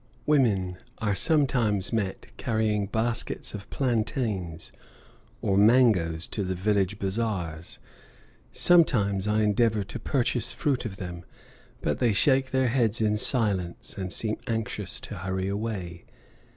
Women are sometimes met carrying baskets of plantains or mangoes to the village bazaars; sometimes I endeavor to purchase fruit of them, but they shake their heads in silence, and seem anxious to hurry away.